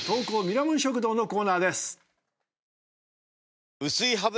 ミラモン食堂のコーナーです。